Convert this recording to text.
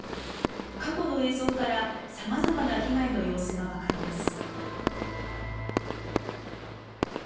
過去の映像からさまざまな被害の様子が分かります。